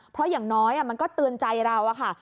เพราะอย่างน้อยมันก็เตือนใจเราค่ะ